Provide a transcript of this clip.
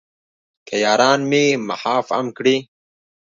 که یاران مې معاف هم کړي.